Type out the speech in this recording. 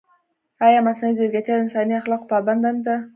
ایا مصنوعي ځیرکتیا د انساني اخلاقو پابنده نه ده؟